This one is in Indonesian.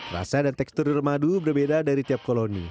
rasa dan tekstur di rumah adu berbeda dari tiap koloni